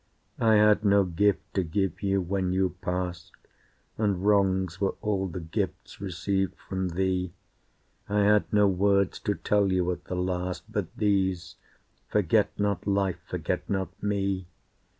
I had no gift to give you when you passed, And wrongs were all the gifts received from thee, I had no words to tell you at the last But these: "Forgo not life, forget not me."